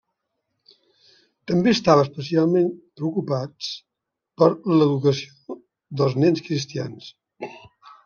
També estava especialment preocupats per l'educació dels nens cristians.